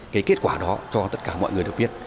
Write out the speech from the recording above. cái kết quả đó cho tất cả mọi người được biết